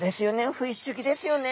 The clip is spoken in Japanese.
フィッシュギですよね。